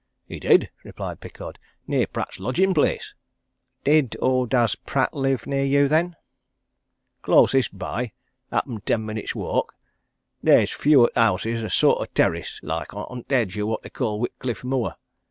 "He did," replied Pickard. "Near Pratt's lodgin' place." "Did or does Pratt live near you, then?" "Closish by happen ten minutes' walk. There's few o' houses a sort o' terrace, like, on t' edge o' what they call Whitcliffe Moor.